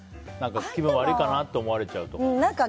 気分悪いかなと思われちゃうとか。